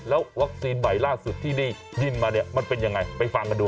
แล้ววัคซีนใหม่ล่าสุดที่ได้ยินมาเนี่ยมันเป็นยังไงไปฟังกันดู